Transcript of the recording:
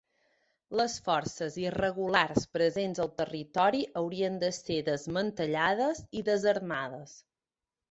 Les forces irregulars presents al territori haurien de ser desmantellades i desarmades.